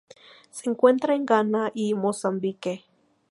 Se encuentra en Ghana y Mozambique.